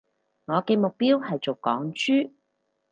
我嘅目標係做港豬